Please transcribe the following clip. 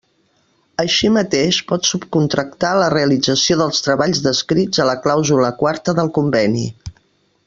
Així mateix pot subcontractar la realització dels treballs descrits a la clàusula quarta del conveni.